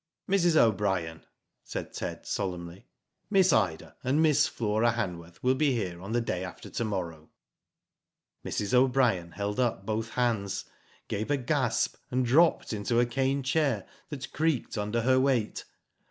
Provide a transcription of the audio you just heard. *'Mrs. O'Brien," said Ted, solemnly, "Miss Ida and Miss Flora Hanworth will be here the day after to morrow." Mrs. O'Brien held up both hands, gave a gasp, and dropped into a cane chair, that creaked under her weight.